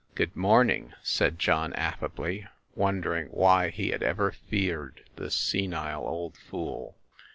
"Good morning," said John affably, wondering why he had ever feared this senile old fool.